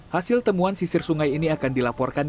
hasil temuan sisir sungai ini akan dilaporkan